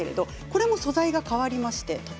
これも素材が変わりました。